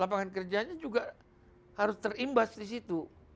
lapangan kerjanya juga harus terimbas di situ